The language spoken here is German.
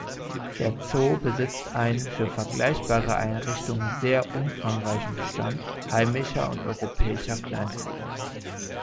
Der Zoo besitzt einen für vergleichbare Einrichtungen sehr umfangreichen Bestand heimischer und europäischer Kleinvögel.